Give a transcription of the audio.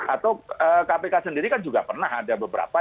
atau kpk sendiri kan juga pernah ada beberapa